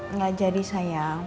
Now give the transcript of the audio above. enggak jadi sayang